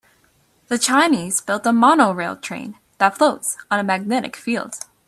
The Chinese built a monorail train that floats on a magnetic field.